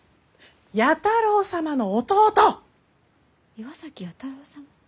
岩崎弥太郎様。